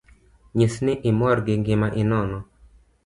Nyis ni imor gi gima inono